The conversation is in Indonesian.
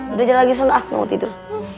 udah jangan lagi sonda mau tidur